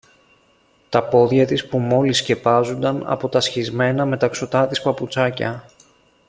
Τα πόδια της που μόλις σκεπάζουνταν από τα σχισμένα μεταξωτά της παπουτσάκια